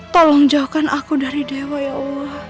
tolong jauhkan aku dari dewa ya allah